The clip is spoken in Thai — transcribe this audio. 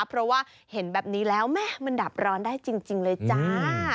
เพราะว่าเห็นแบบนี้แล้วแม่มันดับร้อนได้จริงเลยจ้า